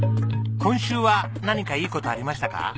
今週は何かいい事ありましたか？